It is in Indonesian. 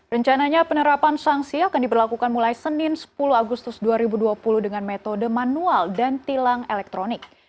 rencananya penerapan sanksi akan diberlakukan mulai senin sepuluh agustus dua ribu dua puluh dengan metode manual dan tilang elektronik